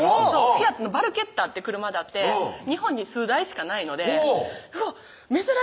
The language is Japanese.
フィアットの「バルケッタ」って車だって日本に数台しかないのでうわっ珍しい